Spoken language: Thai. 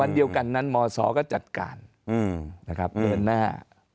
วันเดียวกันนั้นมศก็จัดการนะครับเดินหน้า